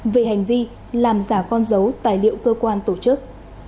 về hành vi làm giả con dấu tài liệu cơ quan tổ chức